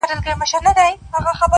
چي په خیال کي میکدې او خُمان وینم,